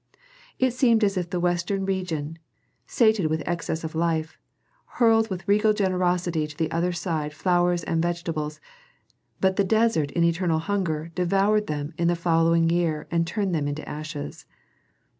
It seemed as if the western region, sated with excess of life, hurled with regal generosity to the other side flowers and vegetables, but the desert in eternal hunger devoured them in the following year and turned them into ashes.